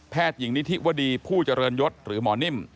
หญิงนิธิวดีผู้เจริญยศหรือหมอนิ่ม